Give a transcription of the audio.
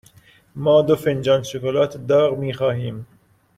ما دو فنجان شکلات داغ می خواهیم.